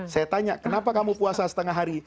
saya tanya kenapa kamu puasa setengah hari